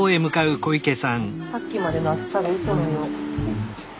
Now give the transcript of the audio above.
さっきまでの暑さがうそのよう。